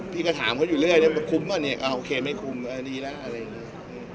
พี่ก็ถามเขาอยู่เรื่อยแล้วมันคุ้มป่ะเนี่ยโอเคไม่คุ้มดีแล้วอะไรอย่างนี้